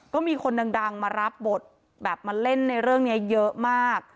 ก็มีคนดังมารับบทแบบมาเล่นในเรื่องนี้เยอะมาก